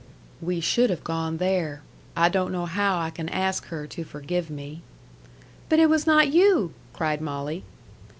"We should have gone there. I don't know how I can ask her to forgive me." "But it was not you!" cried Molly.